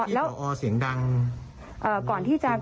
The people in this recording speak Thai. แล้วที่ผอเสียงดัง